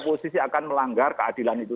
posisi akan melanggar keadilan itu